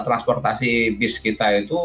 transportasi bis kita itu